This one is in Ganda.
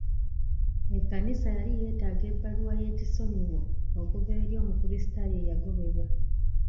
Ekkanisa yali yeetaga ebbaluwa y'ekisonyiwo okuva eri omukulisitaayo eyagobebwa.